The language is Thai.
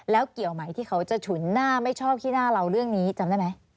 แล้วเกี่ยวไหมที่เขาจะฉุนหน้าไม่ชอบขี้หน้าเราเรื่องนี้จำได้ไหม